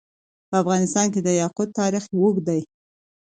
په افغانستان کې د یاقوت تاریخ اوږد دی.